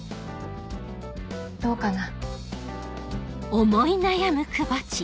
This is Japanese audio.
どうかな？